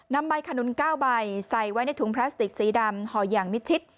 นำใบขนุน๙ใบใส่ไว้ในถุงพลาสติกสีดำห่ออย่างมิดชิด